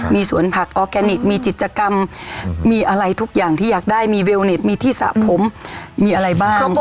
มีสวนผักออร์แกนิคมีกิจกรรมมีอะไรทุกอย่างที่อยากได้มีเวลเน็ตมีที่สระผมมีอะไรบ้าง